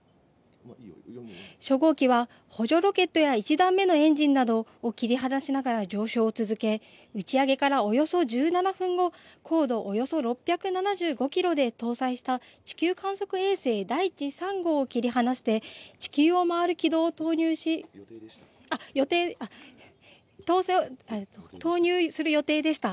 初号機は補助ロケットや１段目のエンジンなどを切り離しながら上昇を続け打ち上げからおよそ１７分後、高度およそ６７５キロで搭載した地球観測衛星だいち３号を切り離して地球を回る軌道に投入する予定でした。